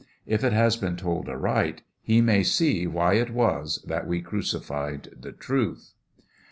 If it has been told aright, he may see why it was that we crucified the Truth.